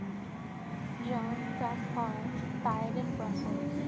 Jean Gaspar died in Brussels.